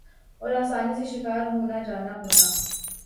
اور آسانی سے شکار ہونا جانا ہونا ۔